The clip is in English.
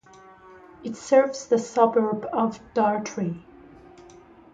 It serves the suburb of Dartry.